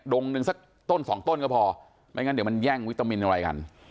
งหนึ่งสักต้นสองต้นก็พอไม่งั้นเดี๋ยวมันแย่งวิตามินอะไรกัน